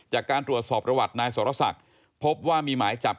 จากการตรวจสอบประวัตินายสรศักดิ์พบว่ามีหมายจับ